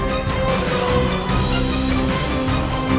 panjat untuk mengesahimu